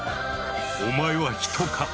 お前は人か？